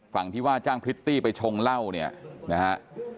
ฝั่งที่ว่าจ้างพริตตี้ไปชงเหล้าเนี่ยนะฮะ